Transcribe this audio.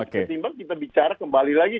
ketimbang kita bicara kembali lagi